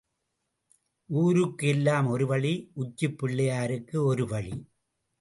ஊருக்கு எல்லாம் ஒரு வழி உச்சிப் பிள்ளையாருக்கு ஒரு வழி.